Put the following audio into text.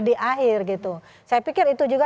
di akhir gitu saya pikir itu juga